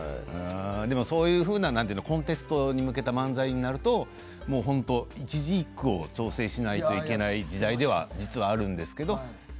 でもそういうふうなコンテストに向けた漫才になると一字一句を調整しないといけない時代では実はあるんですけど。